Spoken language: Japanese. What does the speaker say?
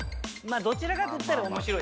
まあどちらかといったら面白い。